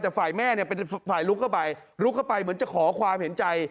แต่ฝ่ายแม่เนี่ยเป็นฝ่ายลุกเข้าไปลุกเข้าไปเหมือนจะขอความเห็นใจ